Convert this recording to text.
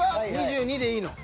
２２でいいの。